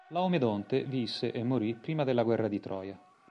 Laomedonte visse e morì prima della guerra di Troia.